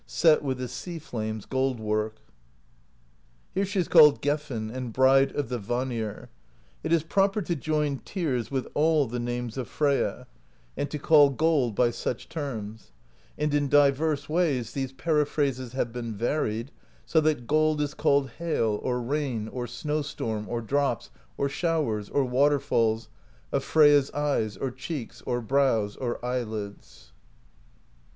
Set with the sea flame's gold work. Here she is called Gefn and Bride of the Vanir. — It is proper to join 'tears' with all the names of Freyja, and 150 PROSE EDDA to call gold by such terms ; and in divers ways these peri phrases have been varied, so that gold is called Hail, or Rain, or Snow Storm, or Drops, or Showers, or Water falls, of Freyja's Eyes, or Cheeks, or Brows, or Eyelids.